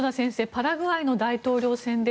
パラグアイの大統領選で